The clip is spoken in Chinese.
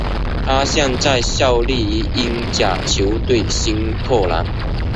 他现在效力于英甲球队新特兰。